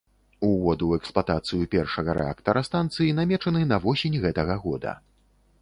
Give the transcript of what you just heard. Увод у эксплуатацыю першага рэактара станцыі намечаны на восень гэтага года.